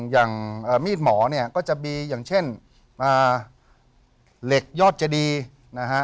อย่างมีดหมอเนี่ยก็จะมีอย่างเช่นเหล็กยอดเจดีนะฮะ